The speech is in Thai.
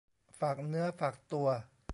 ฝากเนื้อฝากตัว